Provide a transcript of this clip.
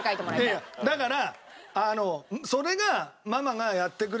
いやいやだから。